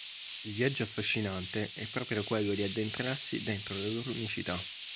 Il viaggio affascinante è proprio quello di addentrarsi dentro la loro unicità".